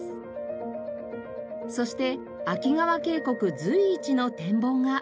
そして秋川渓谷随一の展望が。